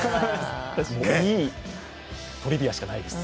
いいトリビアしかないです。